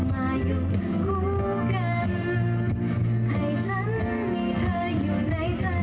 มาอยู่คู่กันให้ฉันมีเธออยู่ในใจ